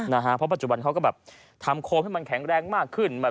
นะฮะเพราะปัจจุบันเขาก็แบบทำโคมให้มันแข็งแรงมากขึ้น